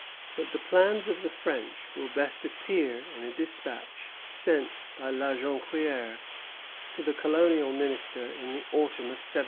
But the plans of the French will best appear in a despatch sent by La Jonquière to the Colonial Minister in the autumn of 1749.